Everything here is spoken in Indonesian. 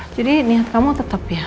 jadi niat kamu tetap ya